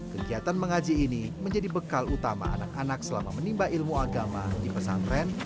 kegiatan mengaji ini menjadi bekal utama anak anak selama menimba ilmu agama di pesantren